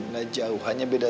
gak jauh hanya beda